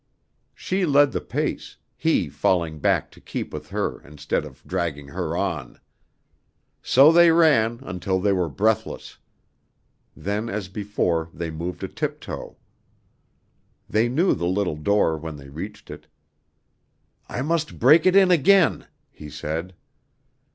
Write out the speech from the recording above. She led the pace, he falling back to keep with her instead of dragging her on. So they ran until they were breathless. Then as before they moved a tiptoe. They knew the little door when they reached it. "I must break it in again," he said.